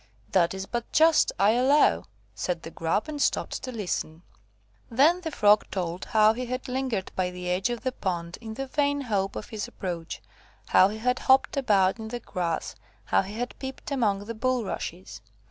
"That is but just, I allow," said the Grub, and stopped to listen. Then the Frog told how he had lingered by the edge of the pond, in the vain hope of his approach, how he had hopped about in the grass, how he had peeped among the bulrushes.